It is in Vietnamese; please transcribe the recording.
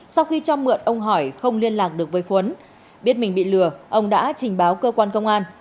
sau khi cho mượn ông hỏi không liên lạc được với khuấn biết mình bị lừa ông đã trình báo cơ quan công an